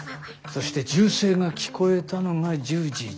そして銃声が聞こえたのが１０時１７分。